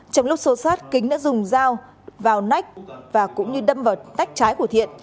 trong lúc xô sát kính đã dùng dao vào nách và cũng như đâm vào tách trái của thiện